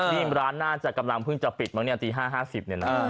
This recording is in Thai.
นี่ร้านน่าจะกำลังเพิ่งจะปิดมั้งเนี่ยตี๕๕๐เนี่ยนะ